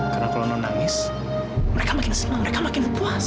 karena kalau non nangis mereka makin senang mereka makin puas